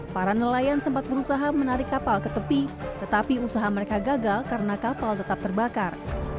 para nelayan sempat berusaha menarik kapal ke tepi tetapi usaha mereka gagal karena kapal tetap terbakar